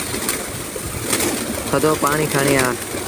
ٿڌو پآڻيٚ کڻي آ۔